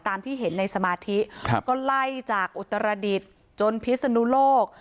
ที่เห็นในสมาธิครับก็ไล่จากอุตรดิษฐ์จนพิศนุโลก